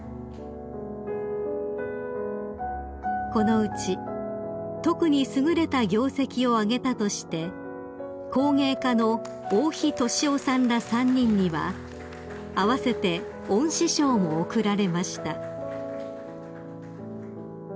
［このうち特に優れた業績を挙げたとして工芸家の大樋年雄さんら３人には併せて恩賜賞も贈られました］